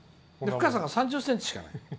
深さが３０ｃｍしかない。